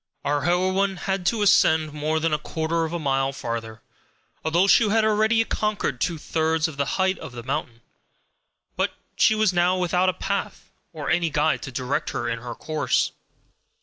Our heroine had to ascend more than a quarter of a mile farther, although she had already conquered two thirds of the height of the mountain. But she was now without a path or any guide to direct her in her course.